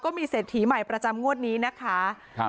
มีเศรษฐีใหม่ประจำงวดนี้นะคะครับ